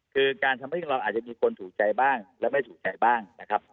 คือการทำให้เราอาจจะมีคนถูกใจบ้างและไม่ถูกใจบ้างนะครับ